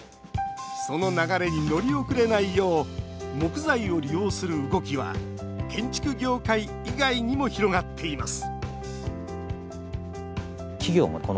その流れに乗り遅れないよう木材を利用する動きは建築業界以外にも広がっています